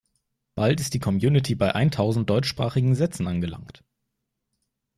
Bald ist die Community bei eintausend deutschsprachigen Sätzen angelangt.